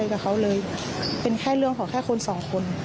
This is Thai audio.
กับเขาเลยเป็นแค่เรื่องของแค่คนสองคน